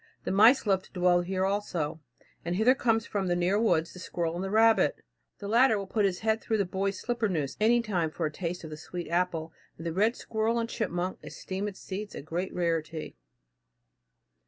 The mice love to dwell here also, and hither comes from the near woods the squirrel and the rabbit. The latter will put his head through the boy's slipper noose any time for taste of the sweet apple, and the red squirrel and chipmunk esteem its seeds a great rarity.